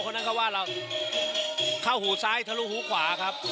นั้นเขาว่าเราเข้าหูซ้ายทะลุหูขวาครับ